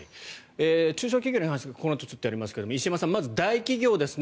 中小企業に関してこのあとちょっとやりますが石山さん、まず大企業ですね。